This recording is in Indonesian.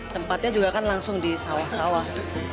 tempatnya juga kan langsung di sawah sawah